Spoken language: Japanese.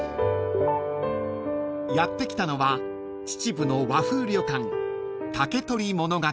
［やって来たのは秩父の和風旅館］